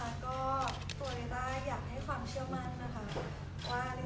ว่าริต้าจะอยากเลยคำนทุนครอบครัวไป